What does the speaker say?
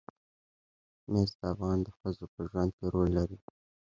مس د افغان ښځو په ژوند کې رول لري.